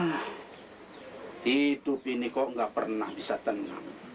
nah itu pini kok gak pernah bisa tenang